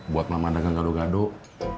buat mama daga gaduh gaduh